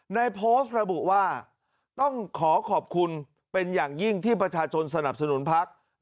ในโพสต์ระบุว่าต้องขอขอบคุณเป็นอย่างยิ่งที่ประชาชนสนับสนุนพัก